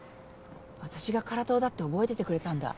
私が辛党だって覚えててくれてたんだ。